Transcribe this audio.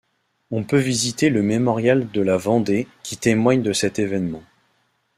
On peut visiter le Mémorial de la Vendée qui témoigne de cet événement.